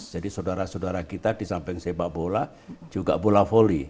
jadi saudara saudara kita di samping sepak bola juga bola foli